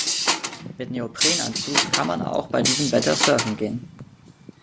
Mit Neoprenanzug kann man auch bei diesem Wetter surfen gehen.